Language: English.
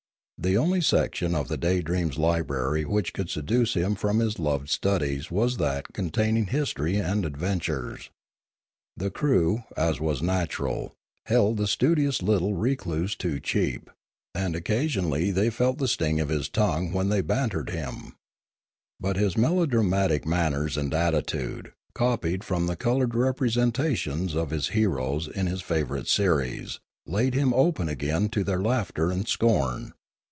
The only section of the Daydream's library which could seduce him from his loved studies was that containing history and adventures. The crew, as was natural, held the studious little recluse too cheap; and occasion ally felt the sting of his tongue when they bantered him; but his melodramatic manners and attitude, copied from the coloured representations of his heroes in his favourite series, laid him open again to their laughter and scorn.